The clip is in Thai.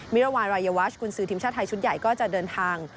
รวาลรายวัชกุญสือทีมชาติไทยชุดใหญ่ก็จะเดินทาง